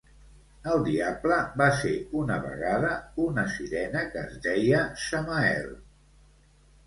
El Diable va ser una vegada una sirena que es deia Samael.